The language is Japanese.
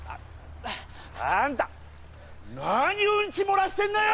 あんた何ウンチ漏らしてんのよ！